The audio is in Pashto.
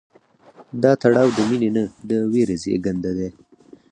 دا تړاو د مینې نه، د ویرې زېږنده دی.